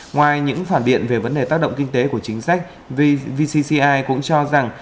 ngoài những phản biện về vấn đề tác động kinh tế của chính sách vcci cũng cho rằng